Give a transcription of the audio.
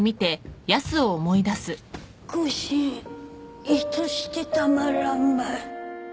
腰んいとしてたまらんばい